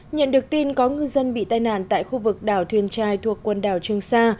nhận được tin có ngư dân bị tai nạn tại khu vực đảo thuyền trài thuộc quần đảo trường sa